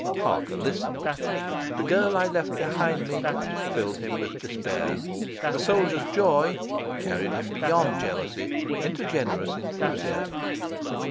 Harker listened: 'The girl I left behind me' filled him with despair; 'The Soldier's Joy' carried him beyond jealousy into generous enthusiasm.